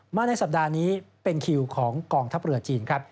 ในสัปดาห์นี้เป็นคิวของกองทัพเรือจีนครับ